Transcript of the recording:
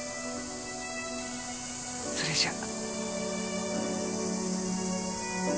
それじゃ。